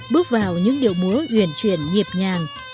bước vào những điệu múa huyển chuyển nhịp nhàng